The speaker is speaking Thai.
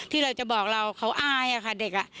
ที่เราจะบอกเราเขาอายอะค่ะเด็ก